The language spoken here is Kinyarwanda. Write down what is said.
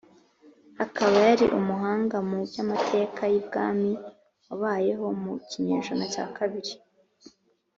akaba yari umuhanga mu by’amateka y’i bwami wabayeho mu kinyejana cya kabiri